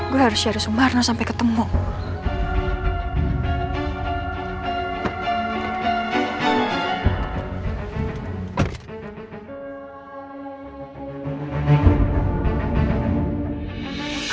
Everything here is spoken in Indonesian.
saya harus pergi dari sumarno sampai ketemu dia